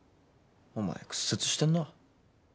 お前屈折してんな。